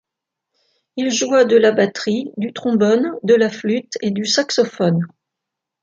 Il joua de la batterie, du trombone, de la flûte et du saxophone.